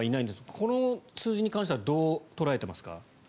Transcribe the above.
この数字に関してはどう捉えていますか？